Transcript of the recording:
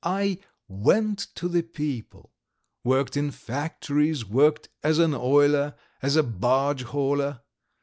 I 'went to the people,' worked in factories, worked as an oiler, as a barge hauler.